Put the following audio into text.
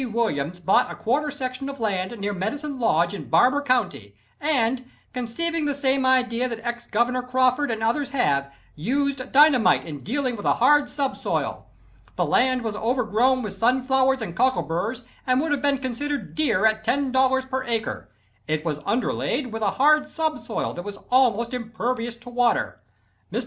Williams bought a quarter section of land near Medicine Lodge in Barber County, and, conceiving the same idea that Ex Governor Crawford and others have, used dynamite in dealing with a hard subsoil. The land was overgrown with sunflowers and cockleburs and would have been considered dear at $10 per acre. It was underlaid with a hard subsoil that was almost impervious to water. Mr.